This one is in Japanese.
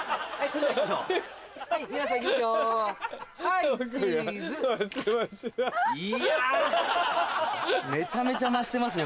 いやめちゃめちゃ増してますよね。